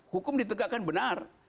hukum ditegakkan benar